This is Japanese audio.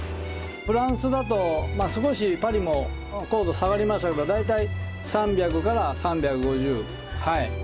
フランスだと少しパリも硬度下がりますけど大体３００３５０。